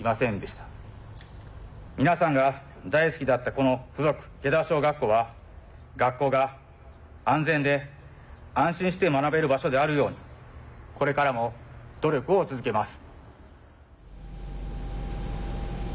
この附属池田小学校は学校が安全で安心して学べる場所であるようにこれからも努力を続けます。